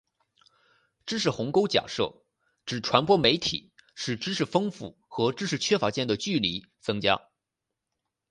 知识鸿沟假设指传播媒体使知识丰富和知识缺乏间的距离增加。